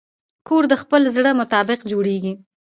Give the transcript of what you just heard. کور د خپل زړه مطابق جوړېږي.